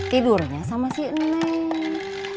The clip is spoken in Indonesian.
tidurnya sama si nenek